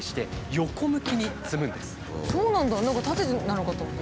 何か縦なのかと思った。